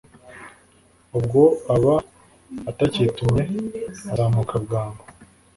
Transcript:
ubwo aba atacyitumye azamuka bwangu